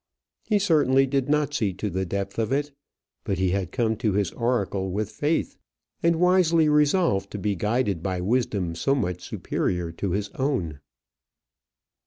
He certainly did not see to the depth of it; but he had come to his oracle with faith, and wisely resolved to be guided by wisdom so much superior to his own.